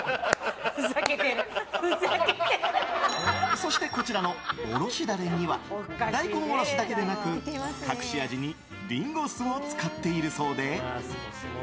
そしてこちらのおろしダレには大根おろしだけでなく、隠し味にリンゴ酢を使っているそうで。